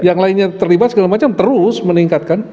yang lainnya terlibat segala macam terus meningkatkan